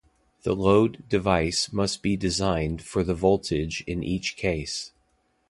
The load device must be designed for the voltage in each case.